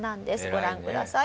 ご覧ください。